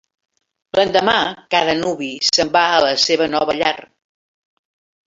L'endemà, cada nuvi se'n va a la seva nova llar.